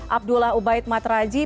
abdullah ubaid matraji